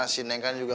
si nek kan juga